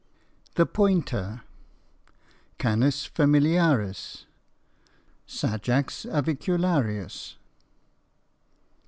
92 THE POINTER. (_Canis familiaris Sagax avicularius.